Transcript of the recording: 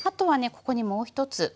ここにもう１つ。